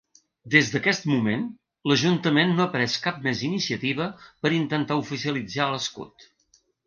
Des d'aquest moment, l'Ajuntament no ha pres cap més iniciativa per intentar oficialitzar l'escut.